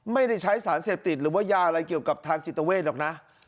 ไม่ได้ใช้สารเสพติดหรือว่ายาอะไรเกี่ยวกับทางจิตเวทหรอกนะ